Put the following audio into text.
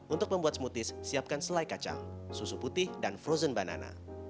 untuk membuat smoothies siapkan selai kacang susu putih dan frozen banana